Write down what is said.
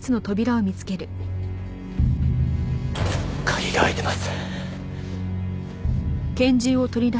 鍵が開いてます。